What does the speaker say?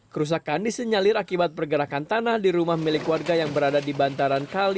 kerusakan disenyalir akibat pergerakan tanah di rumah milik warga yang berada di bantaran kali